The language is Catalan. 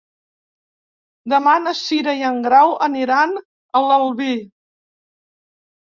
Demà na Cira i en Grau aniran a l'Albi.